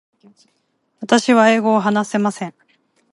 私は英語を話せません。